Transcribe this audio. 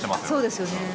そうですよね。